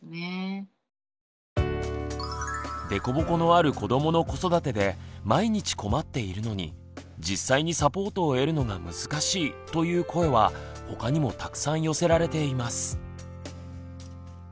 凸凹のある子どもの子育てで毎日困っているのに実際にサポートを得るのが難しいという声はほかにもたくさん寄せられています。